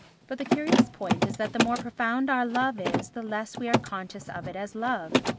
But the curious point is that the more profound our love is the less we are conscious of it as love.